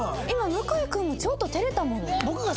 今向井君もちょっと照れたもんね。